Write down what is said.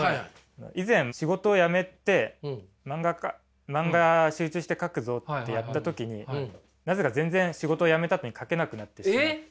以前仕事を辞めて漫画集中して描くぞってやった時になぜか全然仕事を辞めたあとに描けなくなってしまって。